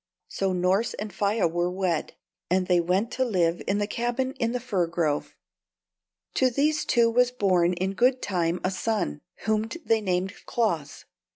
So Norss and Faia were wed, and they went to live in the cabin in the fir grove. To these two was born in good time a son, whom they named Claus.